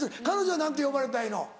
彼女は何て呼ばれたいの？